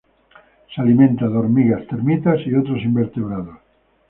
Se alimenta de hormigas, termitas y otros invertebrados.